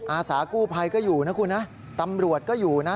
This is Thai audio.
อาสากู้ภัยก็อยู่นะคุณนะตำรวจก็อยู่นะ